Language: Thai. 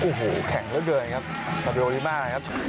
อุ้โฮแข็งเล็กครับทรัพโยลิม่าครับ